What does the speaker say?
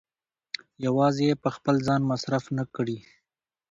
يوازې يې په خپل ځان مصرف نه کړي.